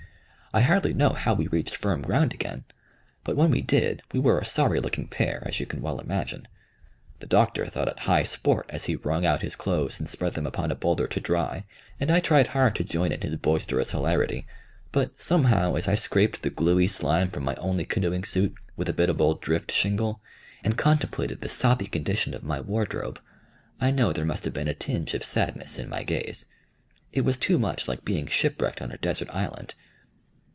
I hardly know how we reached firm ground again, but when we did, we were a sorry looking pair, as you can well imagine. The Doctor thought it high sport, as he wrung out his clothes and spread them upon a bowlder to dry, and I tried hard to join in his boisterous hilarity; but somehow, as I scraped the gluey slime from my only canoeing suit, with a bit of old drift shingle, and contemplated the soppy condition of my wardrobe, I know there must have been a tinge of sadness in my gaze. It was too much like being shipwrecked on a desert island.